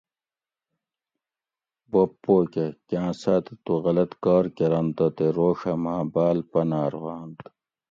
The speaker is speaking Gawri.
بوب پو کہ: کاۤں ساتہ تو غلط کار کرنتہ تے روڛہ ماۤں باۤل پنار ہوانت